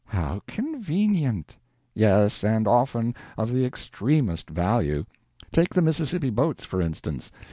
"How convenient!" "Yes, and often of the extremest value. Take the Mississippi boats, for instance.